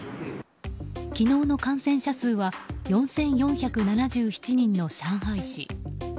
昨日の感染者数は４４７７人の上海市。